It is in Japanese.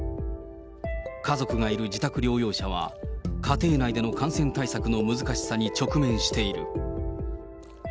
家族がいる自宅療養者は、家庭内での感染対策の難しさに直面している。